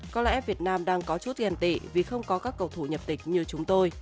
có lẽ việt nam đang có chút ghen tị vì không có các cầu thủ nhập tịch